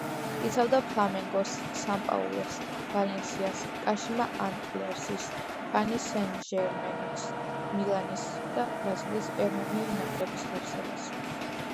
იცავდა „ფლამენგოს“, „სან-პაულუს“, „ვალენსიას“, „კაშიმა ანტლერსის“, „პარი სენ-ჟერმენის“, „მილანის“ და ბრაზილიის ეროვნული ნაკრების ღირსებას.